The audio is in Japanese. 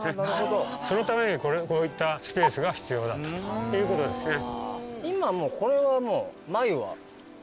そのためにこういったスペースが必要だったっていうことですね。